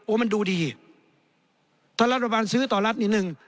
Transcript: มันดูดีถ้ารัฐบาลซื้อต่อรัฐนิดนึง